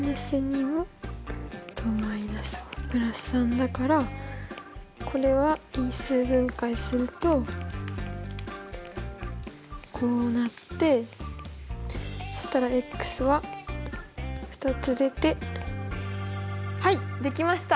だからこれは因数分解するとこうなってそしたらは２つ出てはいできました！